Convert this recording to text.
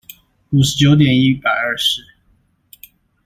五十九點一百二十